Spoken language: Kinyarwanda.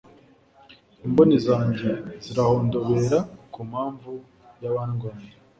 imboni zanjye zirahondobera ku mpamvu y'abandwanya